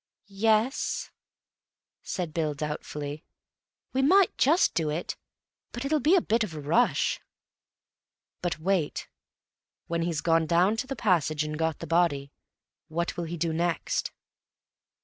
"Y yes," said Bill thoughtfully. "We might just do it, but it'll be a bit of a rush." "But wait. When he's gone down to the passage and got the body, what will he do next?"